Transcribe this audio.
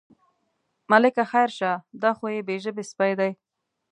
ملکه خیر شه، دا خو یو بې ژبې سپی دی.